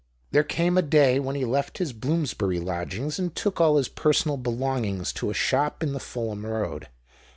There came a day when he left his Bloomsbury lodgings and took all his personal belongings to a shop in the Fulham Road.